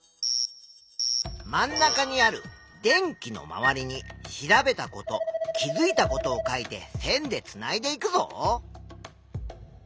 真ん中にある電気の周りに調べたこと気づいたことを書いて線でつないでいくぞ。